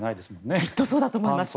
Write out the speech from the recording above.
きっとそうだと思います